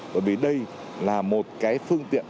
bởi vì đây là một cái phương tiện